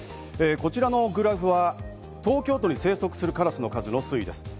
こちらのグラフは東京都に生息するカラスの数の推移です。